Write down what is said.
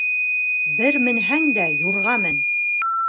Бер менһәң дә юрға мен.